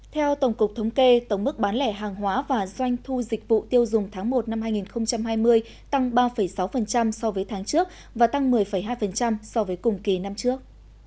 theo tổng cục thống kê tổng mức bán lẻ hàng hóa và doanh thu dịch vụ tiêu dùng tháng một năm hai nghìn hai mươi tăng ba sáu so với tháng trước và tăng một mươi hai so với cùng kỳ năm trước